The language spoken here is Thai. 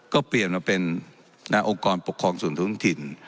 ก็เปลี่ยนมาเป็นองค์กรปกครองส่วนท้องถิ่น